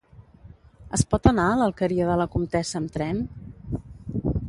Es pot anar a l'Alqueria de la Comtessa amb tren?